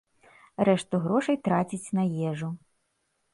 Рэшту грошай траціць на ежу.